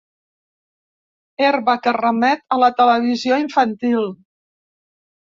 Herba que remet a la televisió infantil.